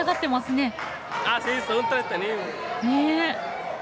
ねえ。